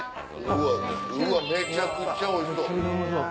うわめちゃくちゃおいしそう。